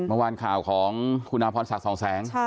เมื่อวานข่าวของขุนน้ำพ่อนศักดิ์สองแสง